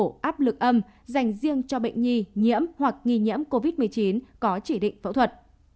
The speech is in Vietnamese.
mổ áp lực âm dành riêng cho bệnh nhi nhiễm hoặc nghi nhiễm covid một mươi chín có chỉ định phẫu thuật